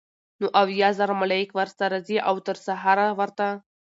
نو اويا زره ملائک ورسره ځي؛ او تر سهاره ورته